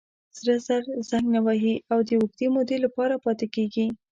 سره زر زنګ نه وهي او د اوږدې مودې لپاره پاتې کېږي.